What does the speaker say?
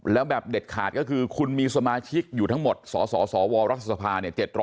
แล้วแบบเด็ดขาดก็คือคุณมีสมาชิกอยู่ทั้งหมดสสวรัฐสภา